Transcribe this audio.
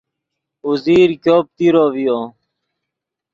اوزیر ګوپ تیرو ڤیو